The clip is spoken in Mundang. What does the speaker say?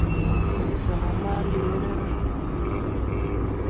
Mo joŋ ma leere ne ?